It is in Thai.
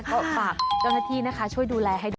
ก็ฝากเจ้าหน้าที่นะคะช่วยดูแลให้ด้วย